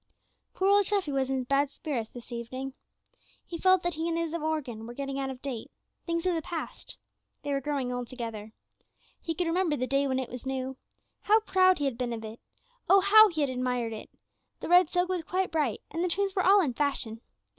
Poor old Treffy was in bad spirits this evening. He felt that he and his organ were getting out of date things of the past. They were growing old together. He could remember the day when it was new. How proud he had been of it! Oh, how he had admired it! The red silk was quite bright, and the tunes were all in fashion.